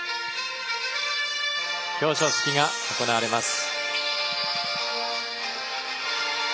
表彰式が行われます。